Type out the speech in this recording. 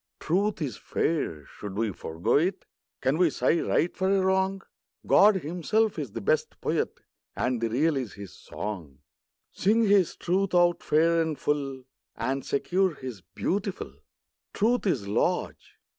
Truth is fair; should we forego it? Can we sigh right for a wrong ? God Himself is the best Poet, And the Real is His song. Sing His Truth out fair and full, And secure His beautiful. Truth is large.